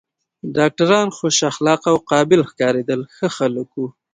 ډاکټران ډېر خوش اخلاقه او قابل ښکارېدل، ښه خلک و.